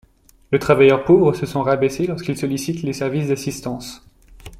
Le travailleur pauvre se sent rabaissé lorsqu’il sollicite les services d’assistance.